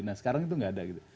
nah sekarang itu nggak ada gitu